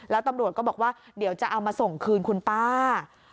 แล้วตำรวจก็บอกว่าเดี๋ยวจะเอามาส่งคืนคุณป้า